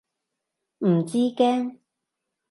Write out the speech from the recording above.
唔知驚？